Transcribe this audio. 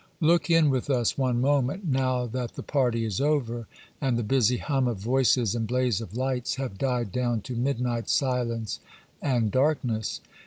Look in with us one moment, now that the party is over, and the busy hum of voices and blaze of lights have died down to midnight silence and darkness.